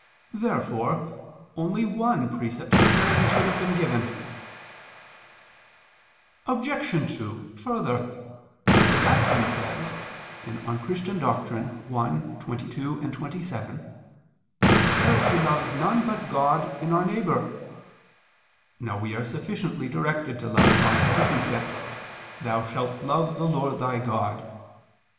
Therefore only one precept of charity should have been given. Obj. 2: Further, as Augustine says (De Doctr. Christ. i, 22, 27), charity loves none but God in our neighbor. Now we are sufficiently directed to love God by the precept, "Thou shalt love the Lord thy God."